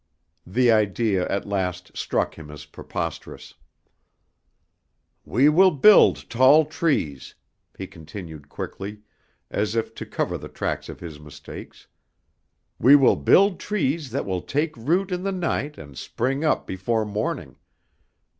The idea at last struck him as preposterous. "We will build tall trees," he continued quickly, as if to cover the tracks of his mistakes. "We will build trees that will taik root in the night and spring up before morning.